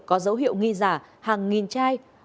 có dấu hiệu nghi giả hàng nghìn chai